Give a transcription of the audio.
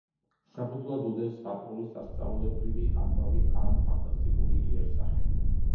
საფუძვლად უდევს ზღაპრული, სასწაულებრივი ამბავი ან ფანტასტიკური იერსახე.